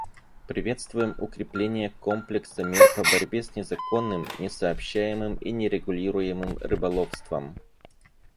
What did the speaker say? Приветствуем укрепление комплекса мер по борьбе с незаконным, несообщаемым и нерегулируемым рыболовством.